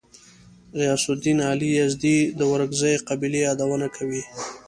غیاث الدین علي یزدي د ورکزیو قبیلې یادونه کوي.